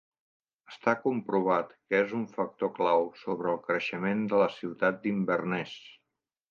Està comprovat que és un factor clau sobre el creixement de la ciutat d'Inverness.